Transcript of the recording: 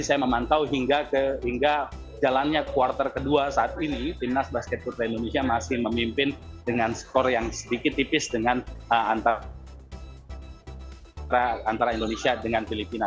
saya memantau hingga jalannya kuartal kedua saat ini timnas basket putra indonesia masih memimpin dengan skor yang sedikit tipis dengan antara indonesia dengan filipina